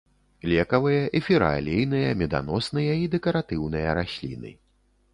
Лекавыя, эфіраалейныя, меданосныя і дэкаратыўныя расліны.